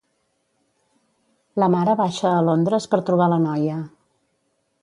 La mare baixa a Londres per trobar la noia.